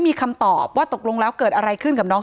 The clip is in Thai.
ถ้าใครอยากรู้ว่าลุงพลมีโปรแกรมทำอะไรที่ไหนยังไง